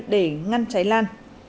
để ngăn cháy lan